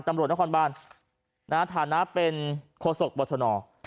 ตำรวจนครบานฐานะเป็นโคศกบชน